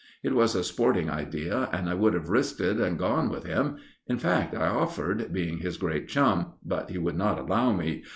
It was a sporting idea, and I would have risked it and gone with him; in fact, I offered, being his great chum, but he would not allow me.